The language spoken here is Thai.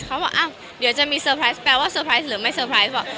เขาบอกอ้าวเดี๋ยวจะมีเซอร์ไพรส์แปลว่าเซอร์ไพรส์หรือไม่เซอร์ไพรส์บอก